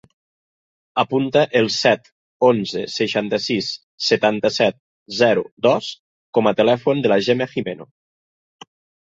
Apunta el set, onze, seixanta-sis, setanta-set, zero, dos com a telèfon de la Gemma Gimeno.